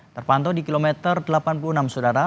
terpantau di kilometer delapan puluh enam sudara